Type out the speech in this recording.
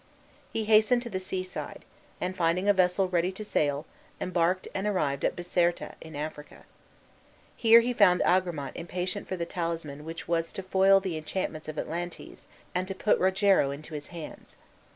He hastened to the seaside, and, finding a vessel ready to sail, embarked, and arrived at Biserta, in Africa. Here he found Agramant impatient for the talisman which was to foil the enchantments of Atlantes and to put Rogero into his hands.